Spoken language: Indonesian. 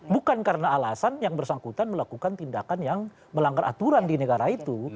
bukan karena alasan yang bersangkutan melakukan tindakan yang melanggar aturan di negara itu